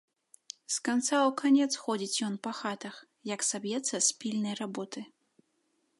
З канца ў канец ходзіць ён па хатах, як саб'ецца з пільнай работы.